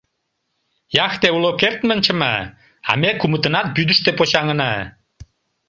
Яхте уло кертмын чыма, а ме кумытынат вӱдыштӧ почаҥына!